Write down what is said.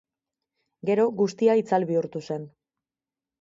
Gero guztia itzal bihurtu zen.